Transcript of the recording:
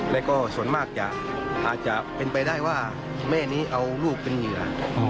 แล้วก็ส่วนมากจะอาจจะเป็นไปได้ว่าแม่นี้เอาลูกเป็นเหยื่อ